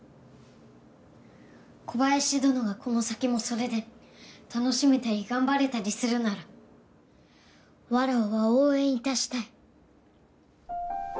小林どのがこの先もそれで楽しめたり頑張れたりするならわらわは応援致したい。